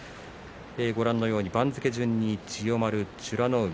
ご覧のように番付順に千代丸、美ノ海